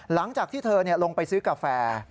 หลังจากที่เธอลงไปซื้อกาแฟ